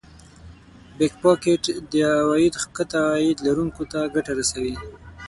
د Back pocket عواید ښکته عاید لرونکو ته ګټه رسوي